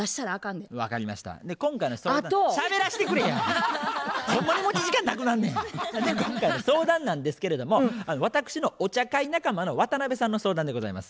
で今回の相談なんですけれども私のお茶会仲間の渡辺さんの相談でございます。